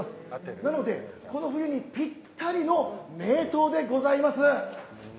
なので、この冬にぴったりの名湯でございます。